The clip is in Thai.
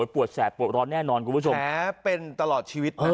ปวดแสบปวดร้อนแน่นอนคุณผู้ชมแม้เป็นตลอดชีวิต